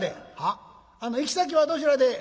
「あの行き先はどちらで？」。